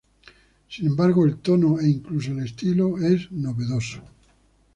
Sin embargo el tono e incluso el estilo es novedoso.